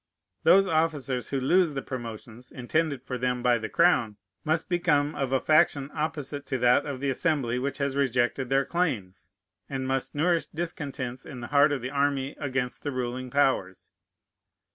Those officers who lose the promotions intended for them by the crown must become of a faction opposite to that of the Assembly which has rejected their claims, and must nourish discontents in the heart of the army against the ruling powers.